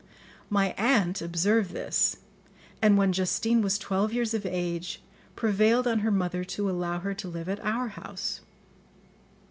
My aunt observed this, and when Justine was twelve years of age, prevailed on her mother to allow her to live at our house.